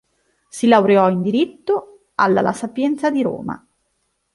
Si laureò in diritto alla la Sapienza di Roma.